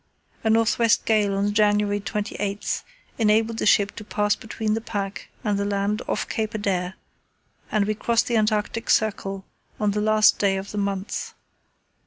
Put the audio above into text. A north west gale on January 28 enabled the ship to pass between the pack and the land off Cape Adare, and we crossed the Antarctic Circle on the last day of the month.